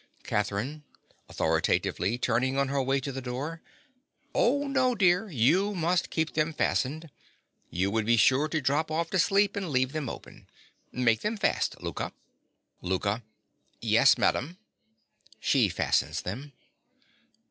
CATHERINE. (authoritatively, turning on her way to the door). Oh, no, dear, you must keep them fastened. You would be sure to drop off to sleep and leave them open. Make them fast, Louka. LOUKA. Yes, madam. (_She fastens them.